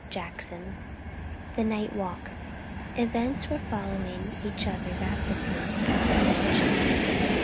CHAPTER XI The Night Walk Events were following each other rapidly at the Mansion.